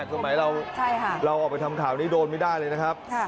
สมัยเราออกไปทำข่าวนี้โดนไม่ได้เลยนะครับ